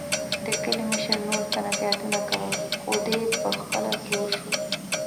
د کلي مشر نورو ته نصیحتونه کول، خو دی په خپله تور شو.